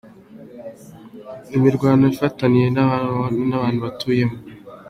Imirwano ahanini yafatiye ku madini hamwe n'uturere abantu batuyemwo.